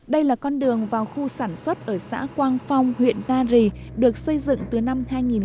đây là con đường vào khu sản xuất ở xã quang phong huyện na rì được xây dựng từ năm hai nghìn một mươi chín